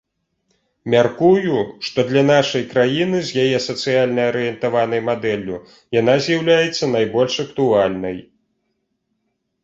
Мяркую, што для нашай краіны з яе сацыяльна арыентаванай мадэллю яна з'яўляецца найбольш актуальнай.